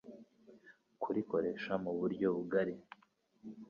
kurikoresha mu buryo bugari